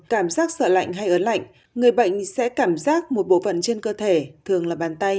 cảm giác sợ lạnh hay ớn lạnh người bệnh sẽ cảm giác một bộ phận trên cơ thể thường là bàn tay